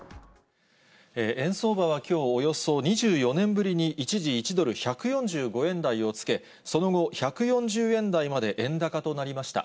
円相場はきょう、およそ２４年ぶりに一時１ドル１４５円台をつけ、その後、１４０円台まで円高となりました。